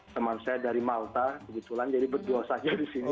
teman saya dari malta kebetulan jadi berdua saja di sini